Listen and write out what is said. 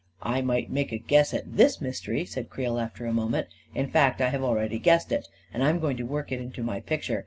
44 1 might make a guess at this mystery," said Creel, after a moment; 44 in fact, I have already guessed it, and I am going to work it into my pic ture.